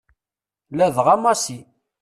Ladɣa Massi.